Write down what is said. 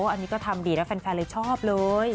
อันนี้ก็ทำดีแล้วแฟนเลยชอบเลย